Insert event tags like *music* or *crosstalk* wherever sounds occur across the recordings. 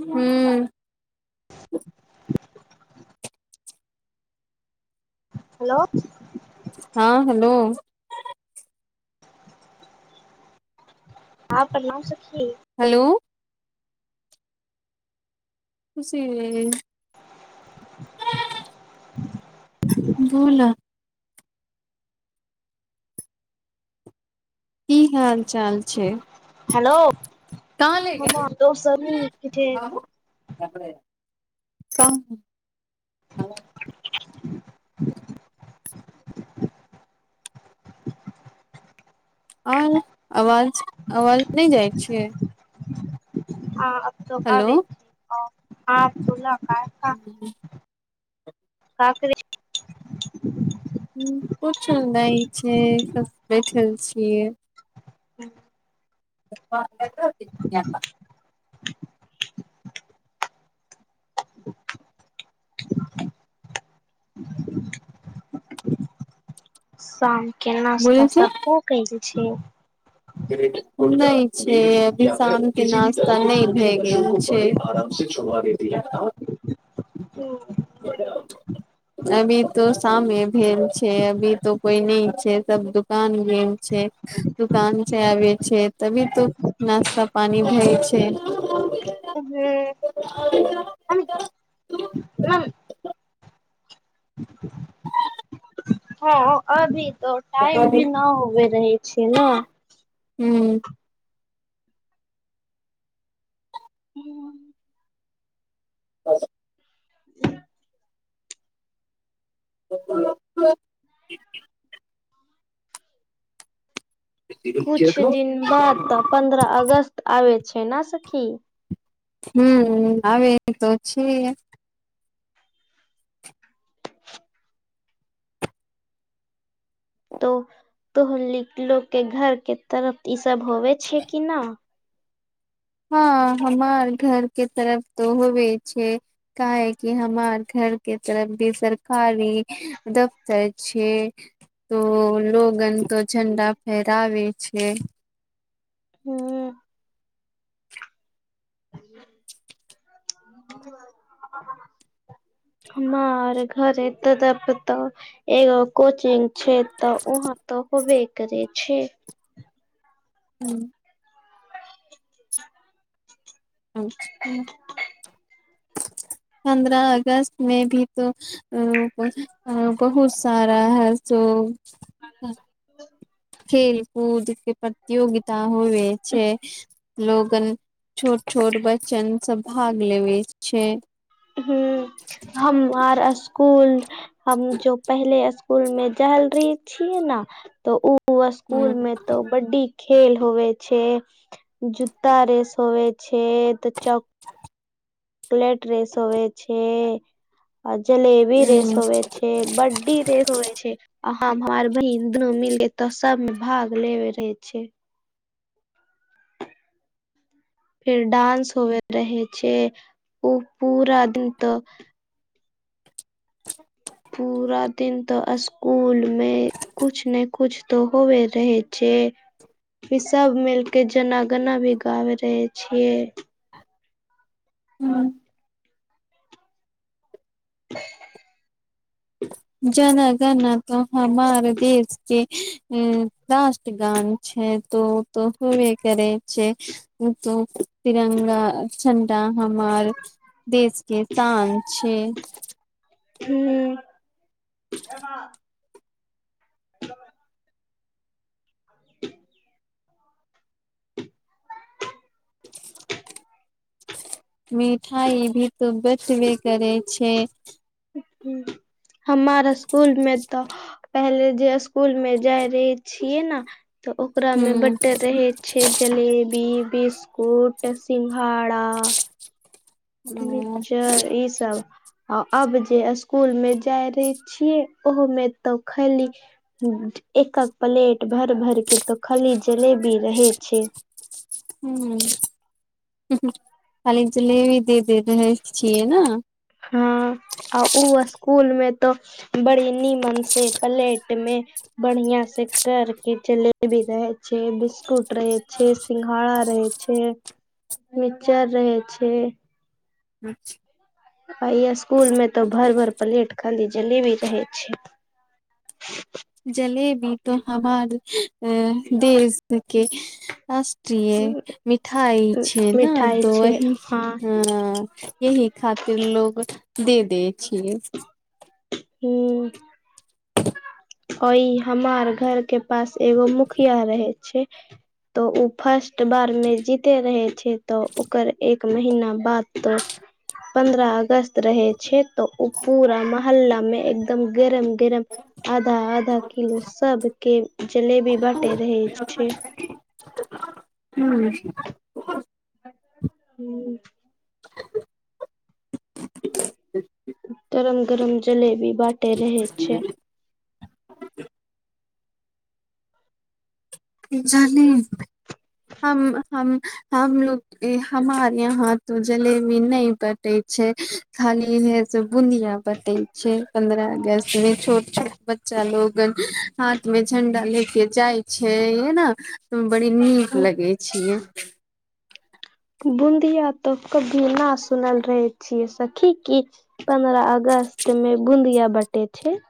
हू हेलो हँ हेलो *inaudible* हाँ प्रणाम सखी हेलो किसी *unintelligible* बोल न की हाल चाल छै हमर कहां दोस्त नीक छै और आवाज आवाज नहि जाइ छियै हँ आब त हेलो आबे छै ओ आ बोल ना *inaudible* हू *inaudible* का करै छी *unintelligible* कुछ नहि छै सब बैठल छियै ह न *inaudible* *unintelligible* साम *unintelligible* के नास्ता बोलै छै सब भौ गैल छे *inaudible* नय छै अभी शाम के नास्ता नै भए गेल छै आराम से सोभा देती है ओ *unintelligible* *inaudible* अभी तो शामे भेल छै अभी तो कोई नहि छै सब दुकान गेल छै दुकान से आबे छै तभी तो नाश्ता पानी भेल छै उहे आ *inaudible* एक तऽ *unintelligible* हँ अभी तो टाइम भी न होवे रहे छै न हू ह *inaudible* हच *unintelligible* *inaudible* ब *unintelligible* कुछ दिन बाद तऽ पन्द्रह अगस्त आबे छै ने सखी हू आबे त छियै तो तो लोक के घर के तरफ ई सब होवे छै कि न हँ हमार घर के तरफ तो होबे छै काहे कि हमार घर के तरफ भी सरकारी दफ्तर छै तो लोगन त झंडा फेहरावे छै हू ह *inaudible* हमार घर तऽ प त *unintelligible* एगो कोचिंग छै तऽ वहां ते होबे करे छै हूं अच्छा पन्द्रह अगस्त मे भी औ औ बहुत सारा है सो *inaudible* खेल कूद के प्रतियोगिता ता होबे छै लोगन छोट छोट बच्चन सब भाग लेबे छै हुँ हमआर स्कूल स्कूल हम जो पहले स्कूल मे जैल रेहय छीयै न तो उ ओ स्कूल ह मे तो बड्डी खेल होवे छै जूत्ता रेस होवे छै त चॉक चॉकलेट रेस होवै छै आ जलेबी रेस होेवै छै बड धीर होेबे छै आ हम हमर बहिन दुनू मिलके तो सब मे भाग लेवे रहे छै फेर डांस होवे रहै छै उ पूरा दिन तऽ *inaudible* पूरा दिन तऽ स्कूल मे कुछ नै कुछ त होबे रहे छै की सभ मिलके जेना गना भी गाबे रहै छियै हँ *inaudible* जना गना तऽ हमार देश के राष्ट्रगान छै तो उ तो होबे करै छै उ तो तिरंगा झंडा हमार देश के शान छै हूँ *inaudible* *inaudible* *inaudible* मिठाई भी तऽ बटबे करे छै हमार स्कूल मे तऽ पहिले जे स्कूल मे जाय रहे छिये न तऽ ओकरा मे हूँ बडे रहे छे जलेबी बिस्कुट सिंघाड़ा ओ मिक्चर ई सब आ आब जे स्कूल मे जाय रहे छियै ओहो मे तऽ खैली एक हक प्लेट भैर भैर के तो खाली जलेबी रहे छै हूँ हूँ हूँ खाली जलेबी दे दे रहै छियै न हँ आ ओ स्कूल मे तो बड़ी नीमन से प्लेट मे बढ़िया सँ कर के जलेबी रहे छै बिस्कुट रहे छै सिंघाड़ा रहे छै छै मिक्चर रहे छै अच्छा आइ स्कूल मे तऽ भर भर प्लेट खाली जलेबी रहे छै *inaudible* जलेबी त हमार देश के राष्ट्रिये मिठाइ छिये न मिठाई तऽ छै वही हँ ह यही खातिर लोग दे दै छियै हूँ ओ ई हमर घर के पास एगो मुखिया रहै छै तऽ उ फर्स्ट बार मे जीते रहे छै तऽ ओकर एक एक महिना बाद तो पन्द्रह अगस्त रहै छै तऽ ओ पूरा माह हल्ला मे एकदम गरम गरम आधा आधा किलो सब के जलेबी बाँटे रहे छै हू हू *unintelligible* गरम गरम जलेबी बा *unintelligible* कि जालेबी हम हम हमलोग हमार यहाँ तो जलेबी नहि बटै बटै छै खाली इहे सब बुनिया बटै छै पंन्द्रह अगस्त मे छोट छोट बच्चा लोगन हाथ मे झण्डा ले के जाइ छै है न बड़ी नीक लगै छियै बुंदिया तो कभी ना सुनल रहे छियै सखी की पन्द्रह अगस्त मे बुंदिया बटे छै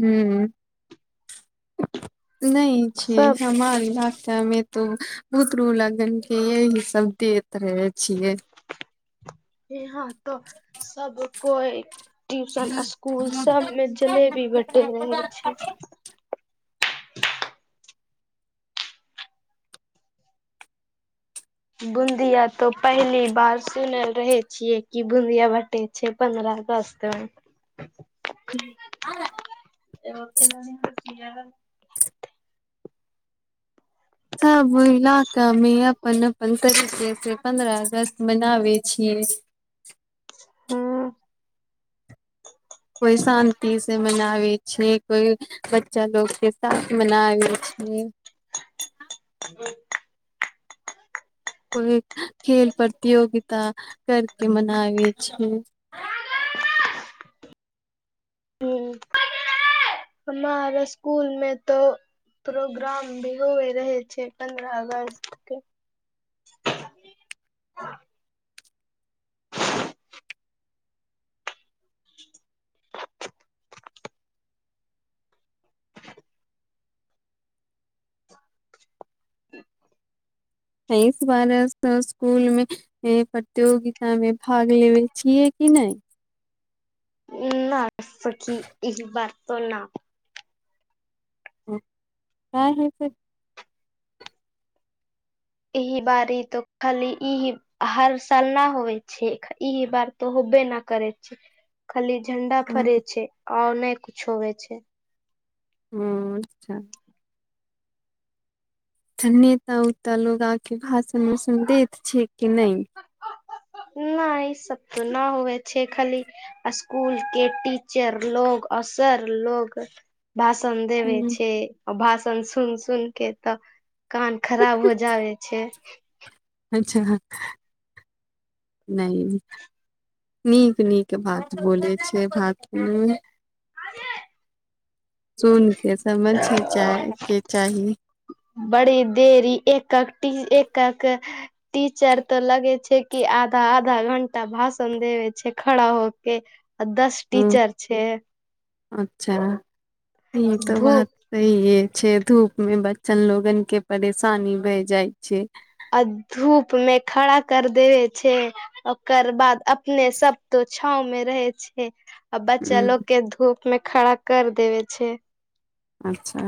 हू नहि छै सब हमर इलाका में तो बुतरू लोगन के यही सब देत रहे छिये यहां तऽ सब कोइ ट्यूशन स्कूल सब में जलेबी बटे रहे छै बूंदिया तो पहली बार सुनल रहे छियै कि बूंदिया बटै छ पन्द्रह अगस्त के हाॅ *unintelligible* सब इलाका मे अपन अपन तरीके से पन्द्रह अगस्त मनावे छियै हँ कोइ शान्ति से मनाबै छै कोइ बच्चा लोकगके साथ मनाबै छै हं को खेल प्रतियोगिता करके मनाबै छै हं हमार स्कुलमे तऽ प्रोग्राम भी होे रहे छै पंन्द्रह अगस्त के *inaudible* इस बार स्कूलमे ह प्रतियोगिता मे भाग लेबे छियै कि नहि ना सखी ई बररतो ना ह हँ ह छै इह बारी तऽ खाली ईही हर साल नहि होइ छै ई बार तऽ होबे नहि करै छी खाली झंडा फरे छै आर नहि कुछो होे छै ह्म अच्छा तऽ नेता उता लोग आ के भाषण उसन देैत छै कि नहि नहि ई सब तऽ न हुए छै खाली स्कूल के टीचर लोग असर लोग भाषण देबै ह छै ओ भाषण सुन सुन के तऽ कान खराब हो जाबे छै अच्छा नहि नीक नीक बात बोलै छै बात आाज सून के समझ के चाही बड़ी देरी एककी एक एक टीचर तऽ लगै छै कि आधा आधा घंटा भाषण देवे छै खड़ा हो कै आ दस ओ टीचर छै अच्छा इ त धू बात सहिये छै धूप मे बच्चन लोगन के परेशानी भए जाइ छै आ धूप मे खड़ा कर देवे छै ओकर बाद अपने सब तो छाँव मे रहै छै आ बच्चा हूँ लोग के धूप मे खड़ा कर देवे छै अच्छा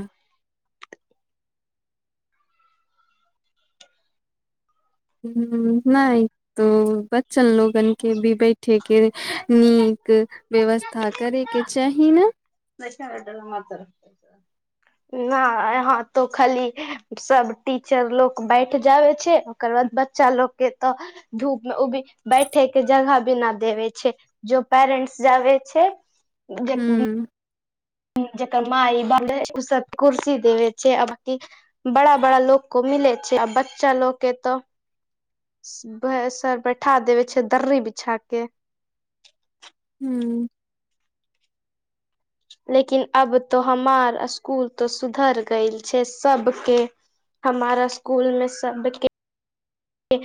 हुँ नहि तो बच्चल लोगन के भी बैठेके नीक व्यवस्था करैके चाही न पैसा के डर हमरा तर ना यहा तो खाली सब टीचर लोक बैठ जाबे छै ओकर बाद बच्चा लोग के तऽ धूप मे उबि बैठे के जगह भी न देबे छै जो पेरेंट्स जाबे छै जेक बि हूँ जेकर माइ बाबु रहै उ सब कुर्सी देबे छै आ बाकी बड़ा बड़ा लोक को मिले छै आ बच्चा लोक के तऽ बे सर बैठा देबै छै दर्री बिछा के हूँ लेकिन अब तो हमार स्कूल तो सुधर गेल छै सबके हमार स्कूल मे सब के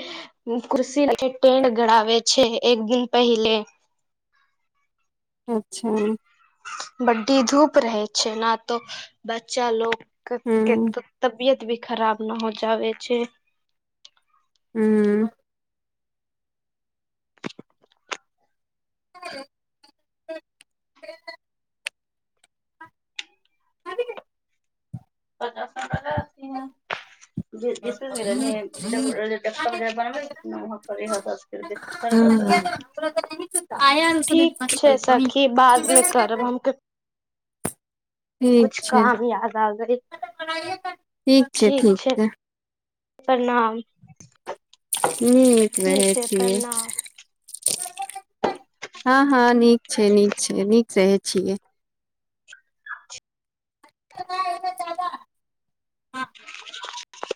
कुर्सी *unintelligible* फेर टेंट गड़ावे छै एक दिन पहिले अच्छा बड्डी धूप रहै छै न तो बच्चा लोक के हूँ *unintelligible* तबियत भी खराब न हो जाबे छै हूँ *inaudible* *inaudible* *unintelligible* *unintelligible* ठीक छै सखी बादमे करब हम *inaudible* ठीक कुछ छै काम याद आ गई ठीक छै प्रणाम नीक ठीक रहै छै छियै प्रणाम हँ हँ नीक छै नीक छै नीक रहै छियै *inaudible* *inaudible*